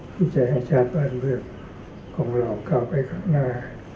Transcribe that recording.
ที่จะให้ชาติบ้านเมืองของเราเข้าไปข้างหน้า